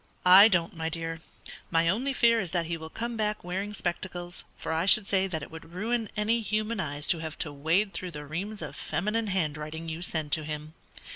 "I don't, my dear. My only fear is that he will come back wearing spectacles, for I should say that it would ruin any human eyes to have to wade through the reams of feminine handwriting you send to him.